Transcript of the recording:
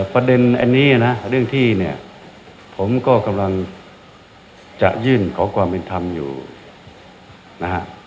ประเด็นอันนี้นะเรื่องที่เนี่ยผมก็กำลังจะยื่นขอความเป็นธรรมอยู่นะฮะ